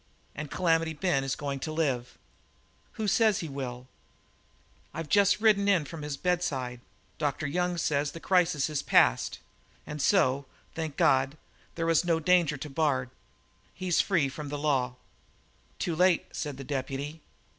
And Calamity Ben is going to live." "Who says he will?" "I've just ridden in from his bedside. Dr. Young says the crisis is past. And so thank God there's no danger to Bard; he's free from the law!" "Too late," said the deputy.